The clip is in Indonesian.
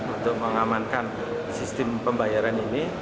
untuk mengamankan sistem pembayaran ini